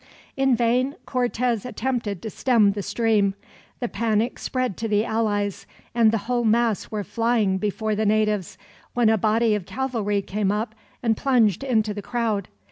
In vain Cortez attempted to stem the stream. The panic spread to the allies, and the whole mass were flying before the natives; when a body of cavalry came up and plunged into the crowd.